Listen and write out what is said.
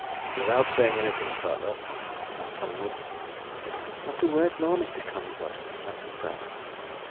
"Without saying anything further?" asked Collingwood. "Not a word more, Mr. Collingwood," answered Pratt.